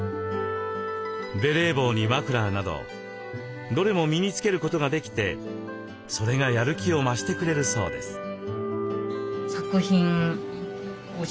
ベレー帽にマフラーなどどれも身に着けることができてそれがやる気を増してくれるそうです。